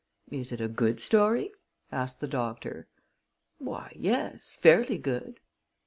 "Is it a good story?" asked the doctor. "Why, yes; fairly good."